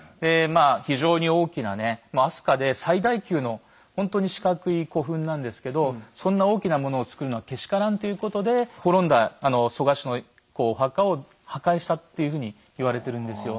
非常に大きなね飛鳥で最大級のほんとに四角い古墳なんですけどそんな大きなものをつくるのはけしからんということでっていうふうに言われてるんですよ。